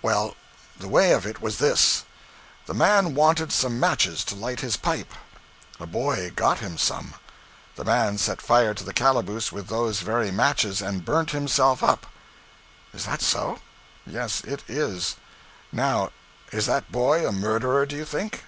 'Well, the way of it was this. The man wanted some matches to light his pipe. A boy got him some. The man set fire to the calaboose with those very matches, and burnt himself up.' 'Is that so?' 'Yes, it is. Now, is that boy a murderer, do you think?'